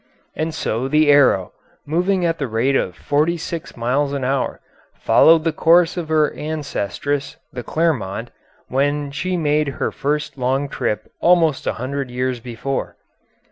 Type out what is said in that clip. And so the Arrow, moving at the rate of forty six miles an hour, followed the course of her ancestress, the Clermont, when she made her first long trip almost a hundred years before.